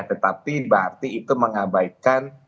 tetapi berarti itu mengabaikan